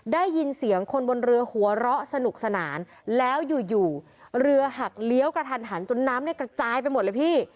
ได้ยินเสียงคนบนเรือหัวเราะสนุกสนานแล้วอยู่อยู่เรือหักเลี้ยวกระทันหันจนน้ำเนี่ยกระจายไปหมดเลยพี่